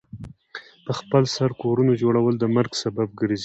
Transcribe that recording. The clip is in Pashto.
پخپل سر کورونو جوړول د مرګ سبب ګرځي.